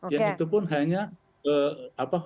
yang itu pun hanya